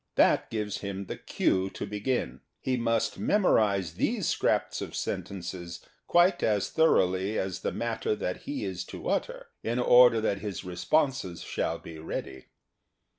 That gives him the cue to begin. He must memorize these scraps of sentences quite as thoroughly as the matter that he is to utter, in order that The Theatre and Its People 151 his responses shall he ready.